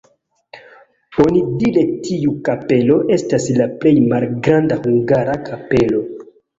Onidire tiu kapelo estas la plej malgranda hungara kapelo.